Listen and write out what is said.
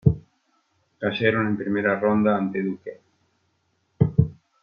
Cayeron en primera ronda ante Duke.